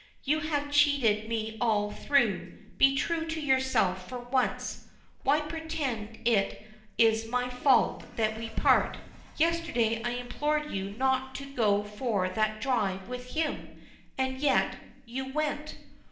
"You have cheated me all through be true to yourself for once. Why pretend it is my fault that we part? Yesterday I implored you not to go for that drive with him, and yet you went.